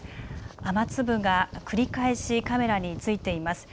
雨粒が繰り返しカメラについています。